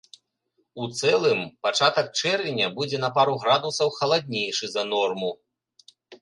У цэлым пачатак чэрвеня будзе на пару градусаў халаднейшы за норму.